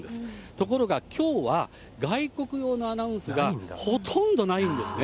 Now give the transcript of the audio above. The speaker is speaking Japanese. ところがきょうは、外国語のアナウンスがほとんどないんですね。